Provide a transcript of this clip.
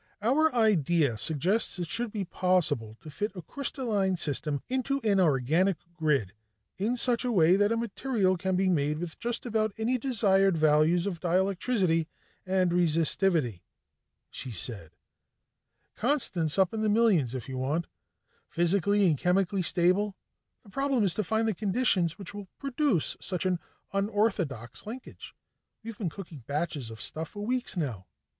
"Our idea suggests it should be possible to fit a crystalline system into an organic grid in such a way that a material can be made with just about any desired values of dielectricity and resistivity," she said. "Constants up in the millions if you want. Physically and chemically stable. The problem is to find the conditions which will produce such an unorthodox linkage. We've been cooking batches of stuff for weeks now."